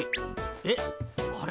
えっあれ？